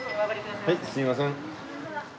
はいすいません。